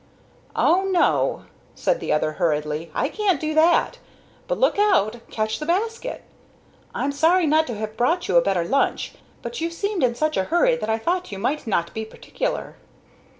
"Oh no," said the other, hurriedly, "I can't do that. But look out! catch the basket. I am sorry not to have brought you a better lunch, but you seemed in such a hurry that I thought you might not be particular."